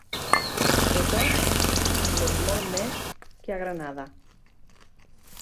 De tot, més molt més que a Granada.